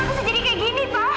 kenapa bisa jadi kayak gini pa